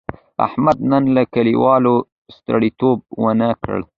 احمد نن له کلیوالو سړیتیوب و نه کړ.